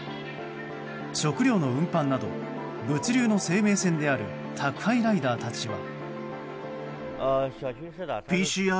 食料の運搬など物流の生命線である宅配ライダーたちは。